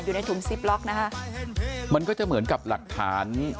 อยู่ในถุงซิปล็อกนะฮะมันก็จะเหมือนกับหลักฐาน